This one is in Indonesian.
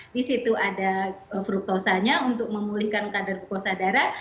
di situ ada fruktosanya untuk memulihkan kadar glukosa darah